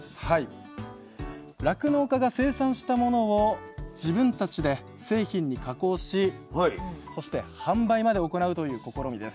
酪農家が生産したものを自分たちで製品に加工しそして販売まで行うという試みです。